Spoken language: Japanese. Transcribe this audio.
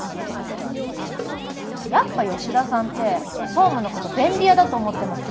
やっぱ吉田さんって総務のこと便利屋だと思ってますよね？